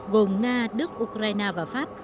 gồm nga đức ukraine và pháp